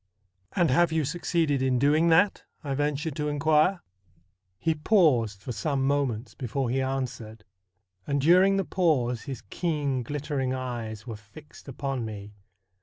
' And have you succeeded in doing that ?' I ventured to inquire. He paused for some moments before he answered, and during the pause his keen glittering eyes were fixed upon me.